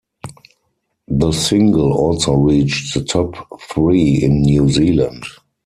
The single also reached the top three in New Zealand.